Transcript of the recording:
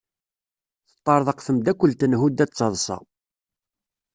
Teṭṭerḍeq temdakelt n Huda d taḍsa.